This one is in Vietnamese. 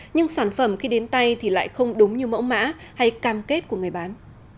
nhưng sản phẩm khi đến tay thì lại không đúng như mẫu mã hay cam kết của người bán